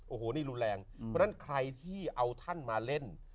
โอ้โหนี่รุนแรงเพราะฉะนั้นใครที่เอาท่านมาเล่น